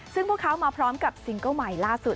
ซึ่งพวกเขามาพร้อมกับซิงเกิ้ลใหม่ล่าสุด